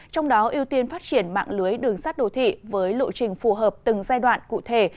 trong đó ưu tiên phát triển mạng lưới đường sắt đô thị với lộ trình phù hợp từng giai đoạn cụ thể